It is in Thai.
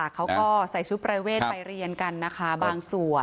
เขาก็ใส่ชุดประเวทไปเรียนกันนะคะบางส่วน